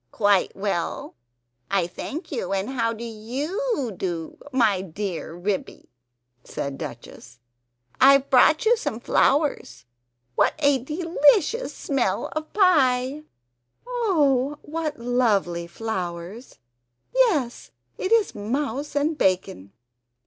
"Quite well, I thank you, and how do YOU do, my dear Ribby?" said Duchess. "I've brought you some flowers; what a delicious smell of pie!" "Oh, what lovely flowers! Yes, it is mouse and bacon!"